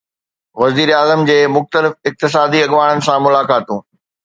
وزيراعظم جي مختلف اقتصادي اڳواڻن سان ملاقاتون